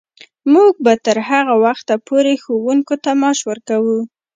موږ به تر هغه وخته پورې ښوونکو ته معاش ورکوو.